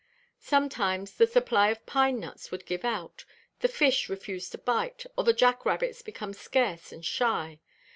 Sometimes the supply of pine nuts would give out, the fish refuse to bite, or the jack rabbits become scarce and shy.